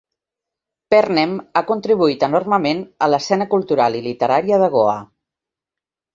Pernem ha contribuït enormement a l'escena cultural i literària de Goa.